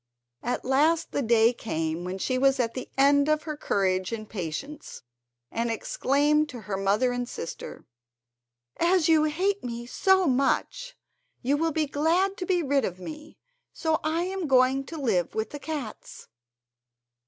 At last the day came when she was at the end of her courage and patience, and exclaimed to her mother and sister: "As you hate me so much you will be glad to be rid of me, so I am going to live with the cats!"